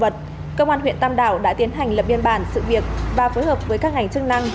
công an huyện tam đảo đã tiến hành lập biên bản sự việc và phối hợp với các ngành chức năng